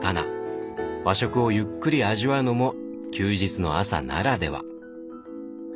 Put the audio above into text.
和食をゆっくり味わうのも休日の朝ならでは。